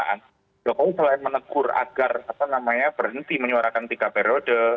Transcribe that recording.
jokowi selain menegur agar berhenti menyuarakan tiga periode